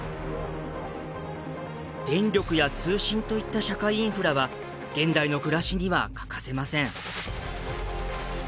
電力や通信といった社会インフラは現代の暮らしには欠かせません。